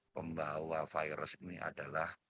pembawa virus ini adalah